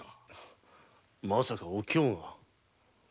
まさかお京が？